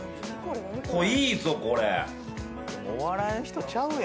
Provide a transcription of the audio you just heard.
いいぞこれ。